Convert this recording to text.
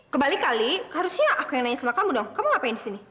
kebalik kali harusnya aku yang nanya sama kamu dong kamu ngapain di sini